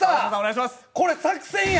これ作戦や。